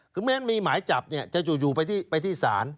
คือเม้นมีหมายจับจะอยู่ไปที่สาร